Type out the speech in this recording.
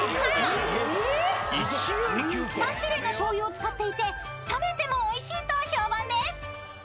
［３種類の醤油を使っていて冷めてもおいしいと評判です］